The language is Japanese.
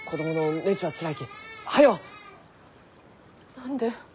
何で？